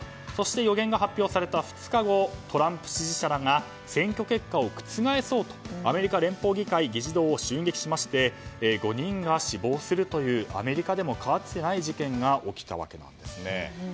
そして予言が発表された２日後トランプ支持者らが選挙結果を覆そうとアメリカ連邦議会議事堂を襲撃しまして５人が死亡するというアメリカでもかつてない事件が起きたわけなんですね。